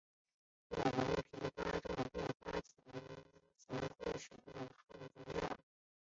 有脓皮症并发的情形会使用抗菌药。